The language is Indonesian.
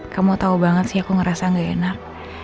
kamu tahu banget sih aku ngerasa gak enak